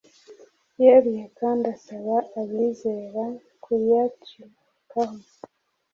yeruye kandi asaba abizera kuyacikaho.